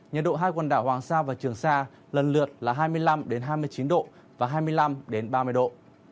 nhiệt độ hai quần đảo hoàng sa và trường sa lần lượt là hai mươi năm hai mươi chín độ và hai mươi năm ba mươi độ